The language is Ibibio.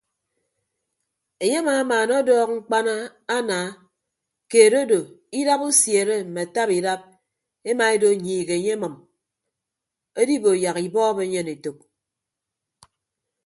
Enye amamaana ọdọọk mkpana ana keed odo idap usiere mme ataba idap emaedo nyiik enye emʌm edibo yak ibọọb enyen etәk.